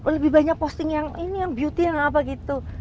lebih banyak posting yang ini yang beauty yang apa gitu